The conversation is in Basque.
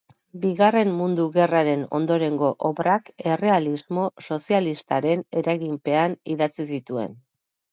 Bigarren Mundu Gerraren ondorengo obrak errealismo sozialistaren eraginpean idatzi zituen.